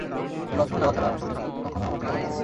শুধু বাথরুমে যাওয়া ছাড়া আমি ছবিটি কখনো আমার থেকে আলাদা করিনি।